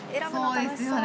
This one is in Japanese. そうですよね